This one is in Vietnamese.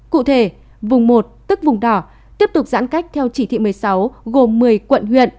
cụ thể vùng một tức vùng đỏ tiếp tục giãn cách theo chỉ thị một mươi sáu gồm một mươi quận huyện